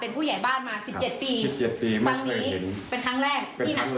เป็นผู้ใหญ่บ้านมาสิบเจ็ดปีสิบเจ็ดปีไม่เคยเห็นฟังนี้เป็นครั้งแรก